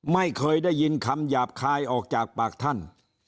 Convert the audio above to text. ไม่เคยได้ยินคำหยาบคายออกจากปากท่าน